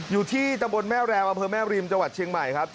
อยู่ที่ตำบลแม่แรมอำเภอแม่ริมจังหวัดเชียงใหม่ครับ